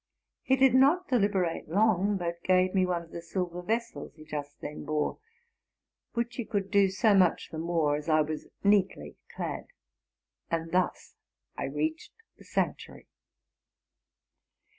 He did not deliberate long, but gave me one of the silver vessels he just then bore, which he could do so much the more, as I was neatly clad; and thus J reached the sane tuary.